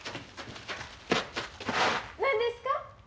何ですか？